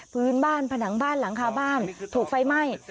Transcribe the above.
พื้นบ้านผนังบ้านหลังคาบ้านถูกไฟไหม้